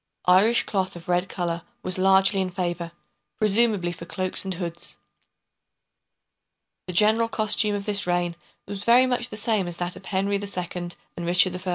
Irish cloth of red colour was largely in favour, presumably for cloaks and hoods. The general costume of this reign was very much the same as that of Henry II. and Richard I.